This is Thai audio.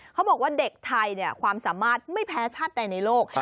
เขาบอกว่าเด็กไทยความสามารถไม่แพ้ชาติใดในโลก